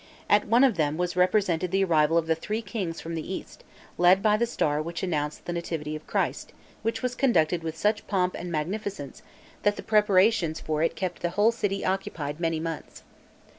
At one of them was represented the arrival of the three kings from the east, led by the star which announced the nativity of Christ; which was conducted with such pomp and magnificence, that the preparations for it kept the whole city occupied many months.